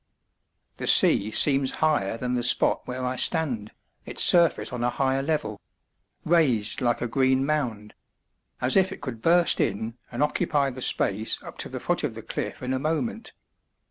The sea seems higher than the spot where I stand, its surface on a higher level raised like a green mound as if it could burst in and occupy the space up to the foot of the cliff in a moment.